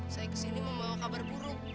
saya ke sini membawa kabar buruk